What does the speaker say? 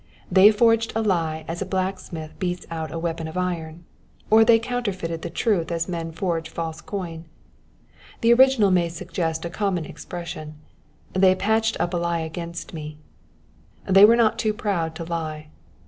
They forged a lie as a blacksmith beats out a weapon of iron, or they counterfeited the truth as men forge false coin. The original may suggest a common expression — ^^They have patched up a lie against me.'' They were not too proud to lie.